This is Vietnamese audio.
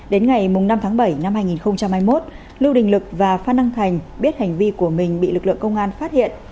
đến ngày năm tháng bảy năm hai nghìn hai mươi một lưu đình lực và phan đăng thành biết hành vi của mình bị lực lượng công an phát hiện